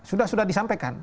sudah sudah disampaikan